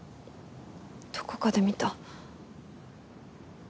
どこかで見た。